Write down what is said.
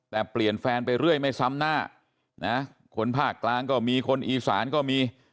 แต่เปลี่ยนแฟนไปเรื่อยไม่ซ้ำหน้านะคนภาคกลางก็มีคนอีสานก็มี